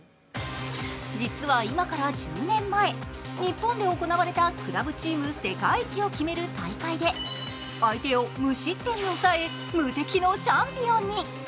実は今から１０年前、日本で行われたクラブチーム世界一を決める大会で相手を無失点に抑え、無敵のチャンピオンに。